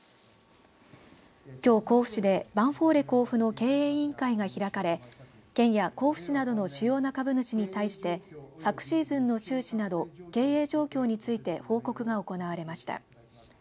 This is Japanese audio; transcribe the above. きょう、甲府市でヴァンフォーレ甲府の経営委員会が開かれ県や甲府市などの主要な株主に対して昨シーズンの収支など経営状況について報告が行われました。